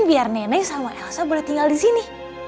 biar neneng sama elsa boleh tinggal disini